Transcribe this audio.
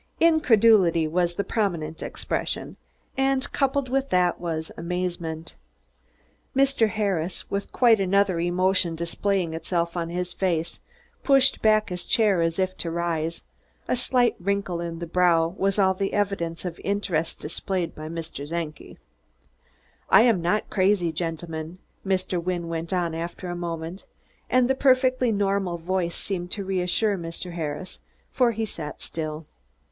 Incredulity was the predominant expression, and coupled with that was amazement. Mr. Harris, with quite another emotion displaying itself on his face, pushed back his chair as if to rise; a slight wrinkle in his brow was all the evidence of interest displayed by Mr. Czenki. "I am not crazy, gentlemen," Mr. Wynne went on after a moment, and the perfectly normal voice seemed to reassure Mr. Harris, for he sat still.